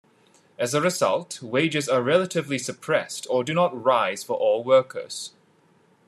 As a result, wages are relatively suppressed or do not rise for all workers.